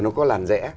nó có làn rẽ